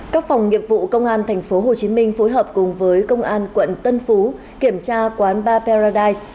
các phòng nghiệp vụ công an tp hcm phối hợp cùng với công an quận tân phú kiểm tra quán ba perradise